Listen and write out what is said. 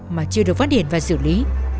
mà chưa được phát hiện và xử lý